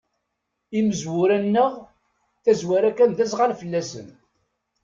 Imezwura-nneɣ, tazwara kan d aẓɣal fell-asen.